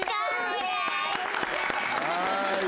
はい。